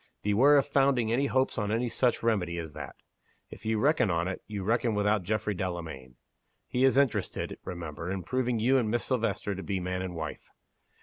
Beware of founding any hopes on any such remedy as that! If you reckon on it, you reckon without Geoffrey Delamayn. He is interested, remember, in proving you and Miss Silvester to be man and wife.